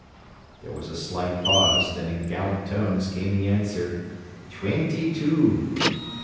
There was a slight pause, then in gallant tones came the answer, "Twenty two."